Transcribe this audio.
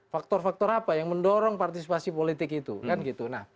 faktor faktor apa yang mendorong partisipasi politik itu